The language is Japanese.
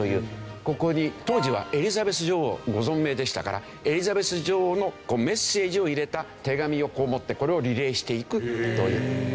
ここに当時はエリザベス女王がご存命でしたからエリザベス女王のメッセージを入れた手紙を持ってこれをリレーしていくという。